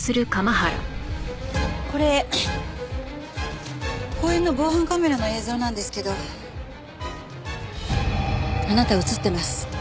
これ公園の防犯カメラの映像なんですけどあなた映ってます。